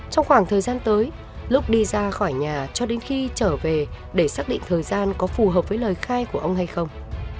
trong khoảng thời gian tới lúc đi ra khỏi nhà cho đến khi trở về để xác định thời gian có phù hợp với lời khai của ông hay không